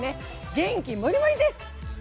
元気モリモリです！